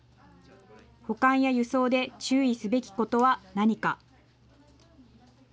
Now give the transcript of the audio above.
保管や輸送で注意すべきことは何か。